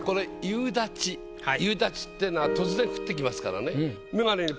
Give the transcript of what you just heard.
夕立っていうのは突然降ってきますからね。